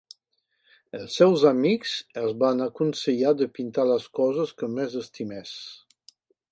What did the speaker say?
Els seus amics el van aconsellar de pintar les coses que més estimés.